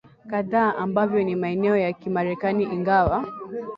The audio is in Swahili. kadhaa ambavyo ni maeneo ya Kimarekani ingawa